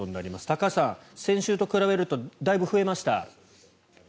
高橋さん、先週と比べるとだいぶ増えました。